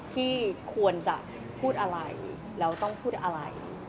ที่ควรจะพูดอะไรแล้วต้องพูดอะไร